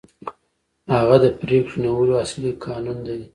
هغه د پرېکړې نیولو اصلي کانون دی.